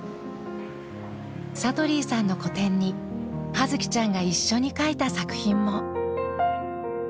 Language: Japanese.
Ｓａｔｏｌｙさんの個展に葉月ちゃんが一緒に描いた作品も。